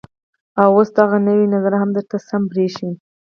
او اوس دغه نوى نظر هم درته سم بريښي.